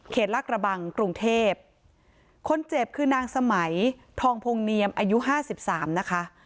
ลากระบังกรุงเทพคนเจ็บคือนางสมัยทองพงเนียมอายุห้าสิบสามนะคะ